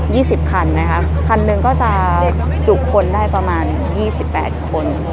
สิบคันนะคะคันหนึ่งก็จะจุคนได้ประมาณยี่สิบแปดคน